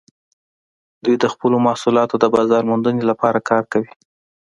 دوی د خپلو محصولاتو د بازارموندنې لپاره کار کوي